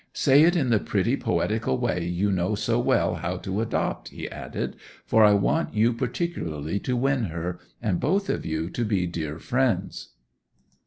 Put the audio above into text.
'Say it in the pretty poetical way you know so well how to adopt,' he added, 'for I want you particularly to win her, and both of you to be dear friends.